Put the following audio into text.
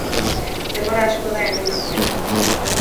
Denbora asko da hemen nagoela.